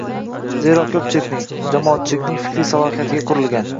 Zero ko‘pchilikning – jamoatchilikning fikriy salohiyatiga qurilgan